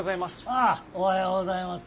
ああおはようございます。